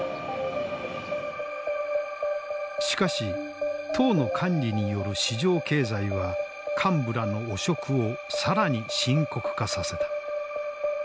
しかし党の管理による市場経済は幹部らの汚職を更に深刻化させた。